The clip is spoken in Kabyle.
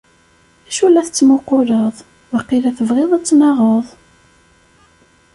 acu la tettmuquleḍ? waqila tebɣiḍ ad tennaɣeḍ!